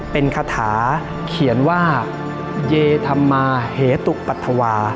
เป็นคาถาเขียนว่าเยธรรมาเหตุปัธวา